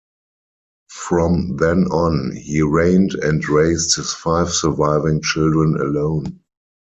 From then on, he reigned and raised his five surviving children alone.